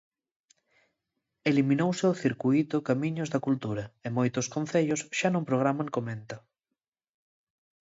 Eliminouse o circuíto Camiños da Cultura e moitos concellos xa non programan comenta.